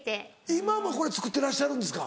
今もこれ作ってらっしゃるんですか？